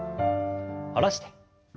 下ろして。